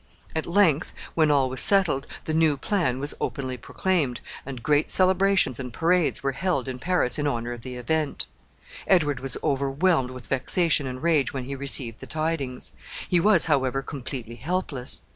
At length, when all was settled, the new plan was openly proclaimed, and great celebrations and parades were held in Paris in honor of the event. Edward was overwhelmed with vexation and rage when he received the tidings. He was, however, completely helpless.